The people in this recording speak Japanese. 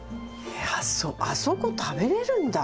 えっあそこ食べれるんだ。